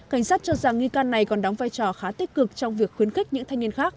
cảnh sát cho rằng nghi can này còn đóng vai trò khá tích cực trong việc khuyến khích những thanh niên khác